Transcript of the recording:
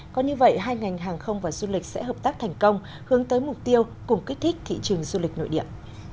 có như vậy hai ngành hàng không và du lịch sẽ hợp tác thành công hướng tới mục tiêu cùng kích thích thị trường du lịch nội địa